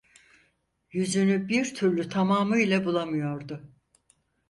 Yüzünü bir türlü tamamıyla bulamıyordu.